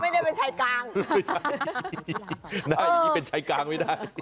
ไม่ใช่น่าจะเป็นชายกลางไม่ได้